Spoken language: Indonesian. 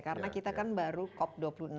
karena kita kan baru cop dua puluh enam